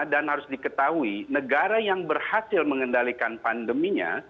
dan harus diketahui negara yang berhasil mengendalikan pandeminya